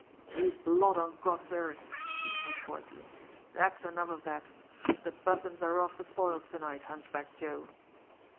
"You blot on God's earth!" he said hoarsely. "That's enough of that! The buttons are off the foils to night, Hunchback Joe!"